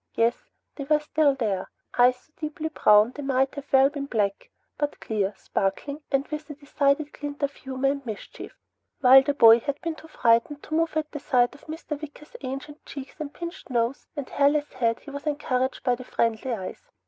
Yes, they were still there. Eyes so deeply brown they might well have been black, but clear, sparkling, and with a decided glint of humor and mischief. While the boy had been too frightened to move at the sight of Mr. Wicker's ancient cheeks, pinched nose, and hairless head, he was encouraged by the friendly eyes.